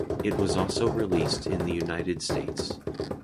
It was also released in the United States.